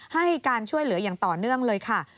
ให้การช่วยเหลืออย่างต่อเนื่องเลยค่ะ